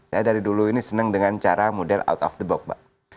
saya dari dulu ini senang dengan cara model out of the box mbak